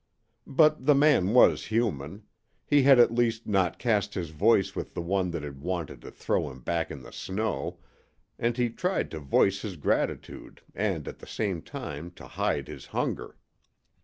But the man was human; he had at least not cast his voice with the one that had wanted to throw him back into the snow, and he tried to voice his gratitude and at the same time to hide his hunger.